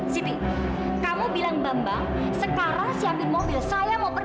sekarang siapin mobil saya mau pergi